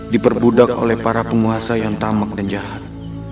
diperbudak oleh para penguasa yang tamak dan jahat